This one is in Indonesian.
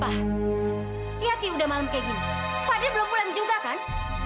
wah lihat nih udah malam kayak gini fadil belum pulang juga kan